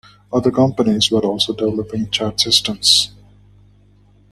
Other companies were also developing chat systems.